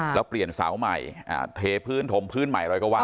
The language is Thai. ค่ะแล้วเปลี่ยนเสาใหม่อ่าเทพื้นถมพื้นใหม่เราก็ว่าไป